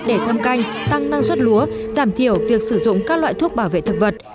để thâm canh tăng năng suất lúa giảm thiểu việc sử dụng các loại thuốc bảo vệ thực vật